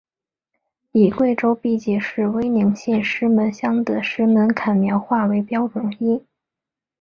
以贵州毕节市威宁县石门乡的石门坎苗话为标准音。